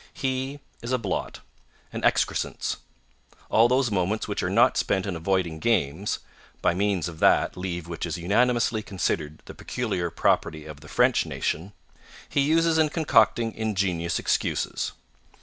He is a blot, an excrescence. All those moments which are not spent in avoiding games (by means of that leave which is unanimously considered the peculiar property of the French nation) he uses in concocting ingenious excuses.